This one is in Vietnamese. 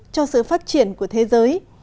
và quan điểm của thế giới